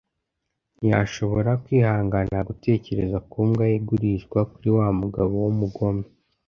Ntiyashobora kwihanganira gutekereza ku mbwa ye igurishwa kuri wa mugabo w'umugome.